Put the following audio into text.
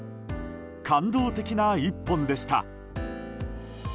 感動的な１本でした。